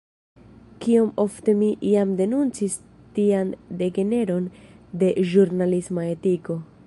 Kiom ofte mi jam denuncis tian degeneron de ĵurnalisma etiko!